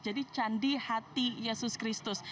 jadi candi hati yesus kristus